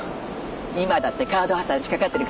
今だってカード破産しかかってるくせに。